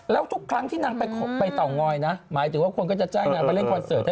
แล้วทุกครั้งที่นางไปเตางอยนะหมายถึงว่าคนก็จะจ้างนางไปเล่นคอนเสิร์ต